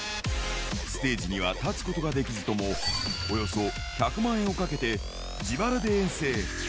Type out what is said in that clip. ステージには立つことができずとも、およそ１００万円をかけて自腹で遠征。